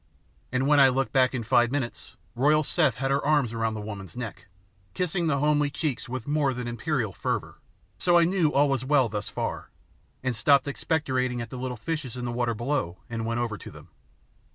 And when I looked back in five minutes, royal Seth had her arms round the woman's neck, kissing the homely cheeks with more than imperial fervour, so I knew all was well thus far, and stopped expectorating at the little fishes in the water below and went over to them.